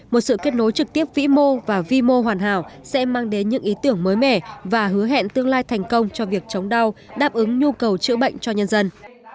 một sự kết nối trực tiếp vĩ mô và vi mô hoàn hảo sẽ mang đến những ý tưởng mới mẻ và hứa hẹn tương lai thành công cho việc chống đau đáp ứng nhu cầu chữa bệnh cho nhân dân